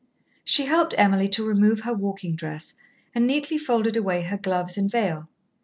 She helped Emily to remove her walking dress, and neatly folded away her gloves and veil.